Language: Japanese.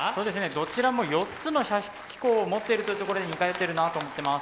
どちらも４つの射出機構を持っているというところで似通ってるなと思ってます。